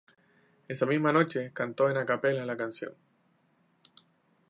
Esa misma noche cantó en acapella la canción.